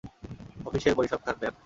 Official পরিসংখ্যান, ma'am.